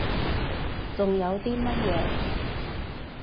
仲有啲乜嘢？